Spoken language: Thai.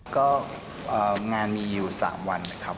ก็งานมีอยู่๓วันนะครับ